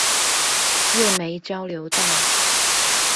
月眉交流道